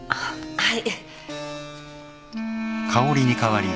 はい。